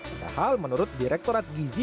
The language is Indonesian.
padahal menurut direktorat gizi